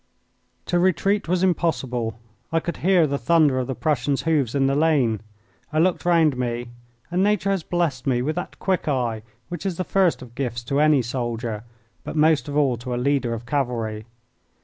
To retreat was impossible. I could hear the thunder of the Prussians' hoofs in the lane. I looked round me, and Nature has blessed me with that quick eye which is the first of gifts to any soldier, but most of all to a leader of cavalry.